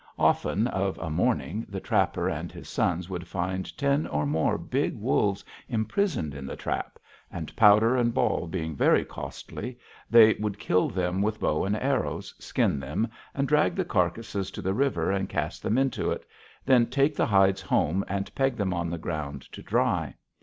Often, of a morning, the trapper and his sons would find ten or more big wolves imprisoned in the trap, and, powder and ball being very costly, they would kill them with bow and arrows, skin them, and drag the carcasses to the river and cast them into it, then take the hides home and peg them on the ground to dry.